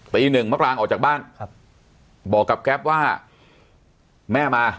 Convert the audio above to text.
ตีหนึ่งเมื่อกลางออกจากบ้านบอกกับแก๊บว่าแม่มา